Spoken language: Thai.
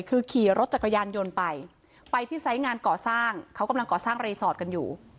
คือขี่รถจักรยานยนต์ไปไปที่ไซส์งานก่อสร้างเขากำลังก่อสร้างรีสอร์ทกันอยู่